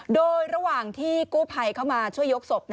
โดยระหว่างที่กู้ภัยเข้ามาช่วยยกศพ